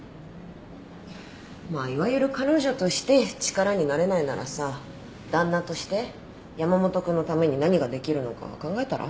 まあいわゆる彼女として力になれないならさ旦那として山本君のために何ができるのか考えたら？